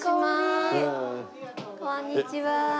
こんにちは。